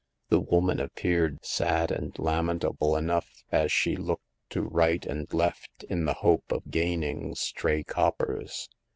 The woman appeared sad and lamen table enough as she looked to right and left in the hope of gaining stray coppers.